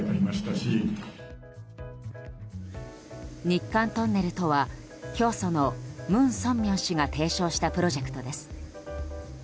日韓トンネルとは教祖の文鮮明氏が提唱したプロジェクトです。